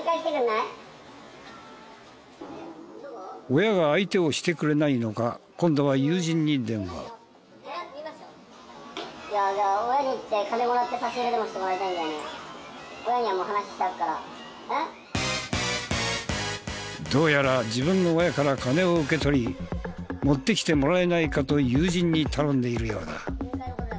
親が相手をしてくれないのか今度はどうやら自分の親から金を受け取り持ってきてもらえないかと友人に頼んでいるようだ。